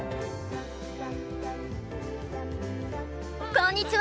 こんにちは。